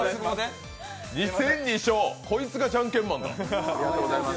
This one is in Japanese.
２戦２勝、こいつがジャンケンマンだ。